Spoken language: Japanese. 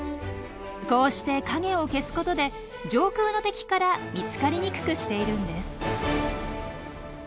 こうして影を消すことで上空の敵から見つかりにくくしているんです。